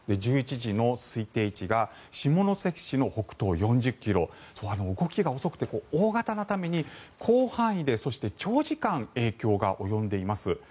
１１時の推定位置が下関市の北東４０ｋｍ動きが遅くて大型のために広範囲で長時間影響が及んでいます。